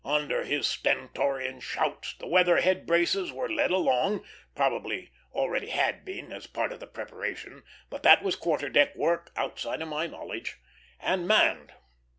Under his stentorian shouts the weather head braces were led along (probably already had been, as part of the preparation, but that was quarter deck work, outside my knowledge) and manned.